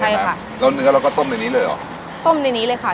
ใช่ครับแล้วเนื้อเราก็ต้มในนี้เลยเหรอต้มในนี้เลยค่ะ